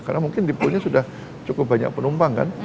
karena mungkin di polnya sudah cukup banyak penumpang kan